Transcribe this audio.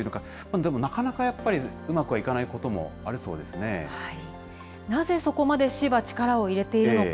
なかなかやっぱり、うまくはいかなぜそこまで市は力を入れているのか。